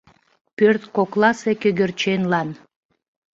Пӧрткокласе кӧгӧрченлан